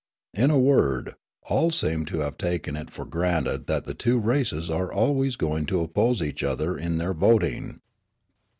In a word, all seem to have taken it for granted that the two races are always going to oppose each other in their voting.